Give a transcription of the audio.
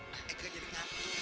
nek eke jadi ngapain